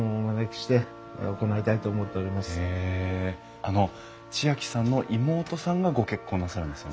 あの知亜季さんの妹さんがご結婚なさるんですよね？